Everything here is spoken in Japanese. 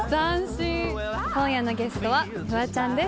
今夜のゲストはフワちゃんです。